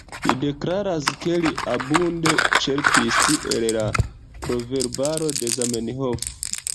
Li deklaras, ke li abunde ĉerpis el la Proverbaro de Zamenhof.